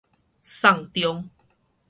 送中